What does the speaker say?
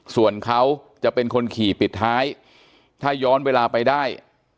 ส่วนเขาจะเป็นคนขี่ปิดท้ายถ้าย้อนเวลาไปได้